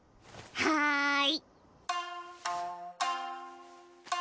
はい！